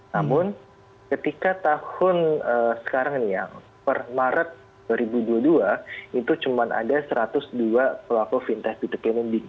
namun ketika tahun sekarang nih yang per maret dua ribu dua puluh dua itu cuma ada satu ratus dua pelaku fintech p tiga klinik